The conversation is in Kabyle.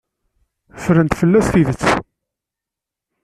Ffrent fell-as tidet.